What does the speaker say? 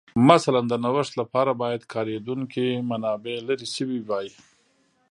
مثلاً د نوښت لپاره باید کارېدونکې منابع لرې شوې وای